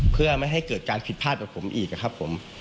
เพื่อไม่ให้เกิดการผิดพลาดกับผมอีกนะครับผม